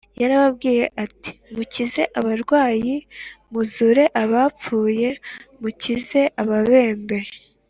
yarababwiye ati, “mukize abarwayi, muzure abapfuye, mukize ababembe,